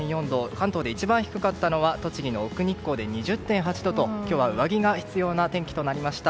関東で一番低かったのは栃木の奥日光で２０．８度と今日は上着が必要な天気となりました。